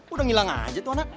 udah ngilang aja tuh anak